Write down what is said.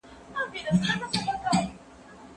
په پوره صداقت سره خپله دنده ترسره کړئ.